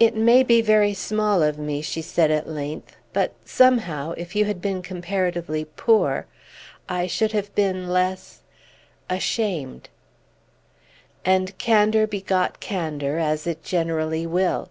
"It may be very small of me," she said at length, "but somehow if you had been comparatively poor I should have been less ashamed!" And candor begot candor, as it generally will.